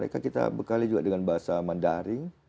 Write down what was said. kita bekali juga dengan bahasa mandaring